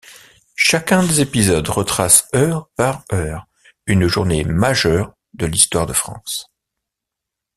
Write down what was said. Chacun des épisodes retrace heure par heure une journée majeure de l'histoire de France.